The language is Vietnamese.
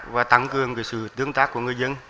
và tăng cường sự tương tác của người dân